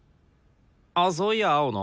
あっそういや青野。